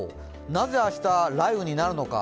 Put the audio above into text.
なぜ明日、雷雨になるのか。